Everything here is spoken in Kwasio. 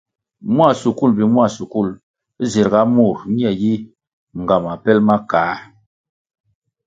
Mua shukul mbpi mua shukul zirʼga mur ñe yi ngama pel ma kā.